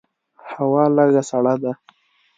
هوا لږه سړه ده.